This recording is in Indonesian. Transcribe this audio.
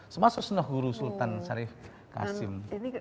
semasa sneh guru sultan syarif hasim